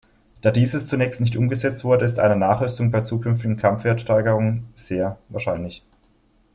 Da dieses zunächst nicht umgesetzt wurde, ist eine Nachrüstung bei zukünftigen Kampfwertsteigerung sehr wahrscheinlich.